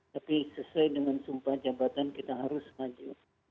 tapi sesuai dengan sumpah jabatan kita harus maju